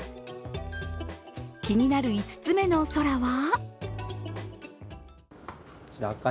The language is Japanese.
気になる５つ目の空は？